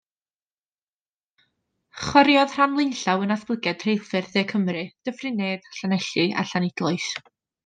Chwaraeodd rhan flaenllaw yn natblygiad rheilffyrdd De Cymru, Dyffryn Nedd, Llanelli a Llanidloes.